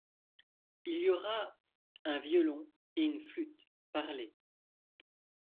Il y aura un violon et une flûte." Parlé.